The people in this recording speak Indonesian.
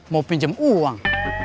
mau pinjem uang